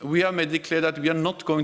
yang memiliki banyak negara lain